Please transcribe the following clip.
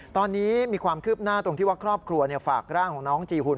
ตอนนี้มีความคืบหน้าตรงที่ว่าครอบครัวฝากร่างของน้องจีหุ่น